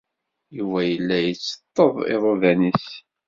Yuba yella yetteṭṭeḍ iḍudan-nnes.